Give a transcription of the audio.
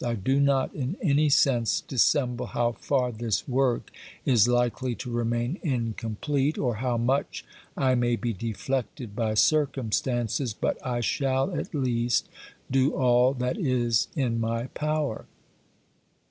I do not in any sense dissemble how far this work is likely to remain incomplete, or how much I may be deflected by circumstances, but I shall at least do all that is in my power.